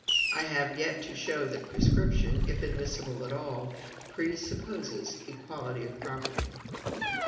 I have yet to show that prescription, if admissible at all, presupposes equality of property.